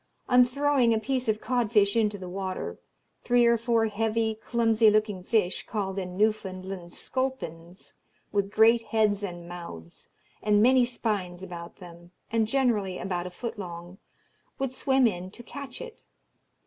On throwing a piece of codfish into the water, three or four heavy, clumsy looking fish, called in Newfoundland sculpins, with great heads and mouths, and many spines about them, and generally about a foot long, would swim in to catch it.